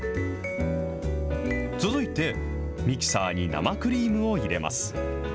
続いて、ミキサーに生クリームを入れます。